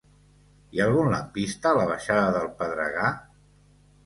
Hi ha algun lampista a la baixada del Pedregar?